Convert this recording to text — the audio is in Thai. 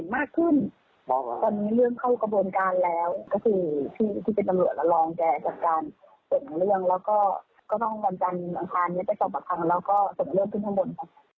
ได้สอบกับทางแล้วก็ส่งโรคขึ้นข้างบน